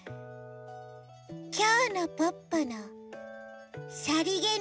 きょうのポッポの「さりげないおしゃれ」。